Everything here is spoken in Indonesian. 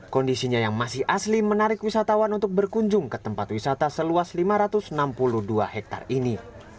kondisinya yang masih asli menarik wisatawan untuk berkunjung ke tempat wisata seluas lima ratus enam puluh dua hektare ini